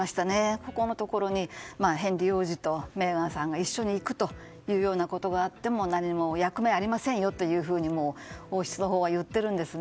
ここのところにヘンリー王子とメーガンさんが一緒に行くということがあっても何も役目はありませんよと王室のほうは言っているんですね。